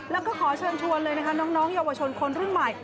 แล้วก็ขอเชิญชวนเลยนะคะน้องเยาวชนคนรุ่นใหม่